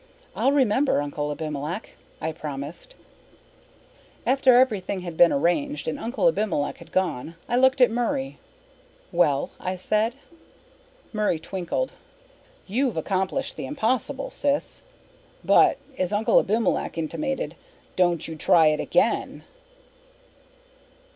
"I'll remember, Uncle Abimelech," I promised. After everything had been arranged and Uncle Abimelech had gone I looked at Murray. "Well?" I said. Murray twinkled. "You've accomplished the impossible, sis. But, as Uncle Abimelech intimated don't you try it again."